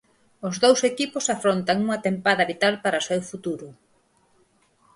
Os dous equipos afrontan unha tempada vital para o seu futuro.